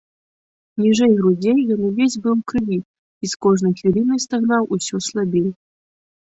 Ніжэй грудзей ён увесь быў у крыві і з кожнай хвілінай стагнаў усё слабей.